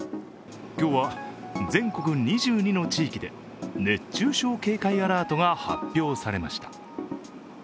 今日は全国２２の地域で熱中症警戒アラートが発表されました。